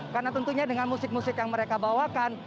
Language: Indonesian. karena tentunya dengan musik musik yang mereka bawakan